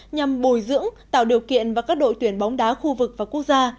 nhằm bồi dưỡng tạo điều kiện và các đội tuyển bóng đá khu vực và quốc gia